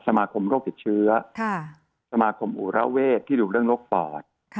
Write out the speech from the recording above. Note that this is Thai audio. สมาคมโรคติดเชื้อสมาคมอุระเวทที่ดูเรื่องโรคปอด